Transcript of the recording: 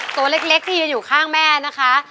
ตัวเล็กที่ยืนอยู่ข้างแม่นะคะ